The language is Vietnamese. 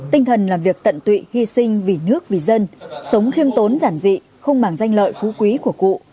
tinh thần làm việc tận tụy hy sinh vì nước vì dân sống khiêm tốn giản dị không mảng danh lợi phú quý của cụ